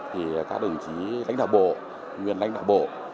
thì các đồng chí lãnh đạo bộ nguyên lãnh đạo bộ